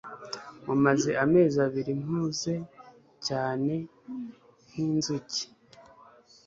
mumaze amezi abiri mpuze cyane nkinzuki